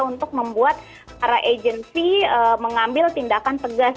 untuk membuat para agency mengambil tindakan tegas